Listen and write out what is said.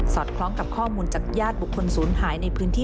คล้องกับข้อมูลจากญาติบุคคลศูนย์หายในพื้นที่